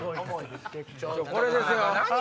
これですよ！